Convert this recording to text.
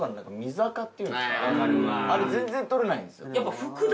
あれ全然取れないんですよ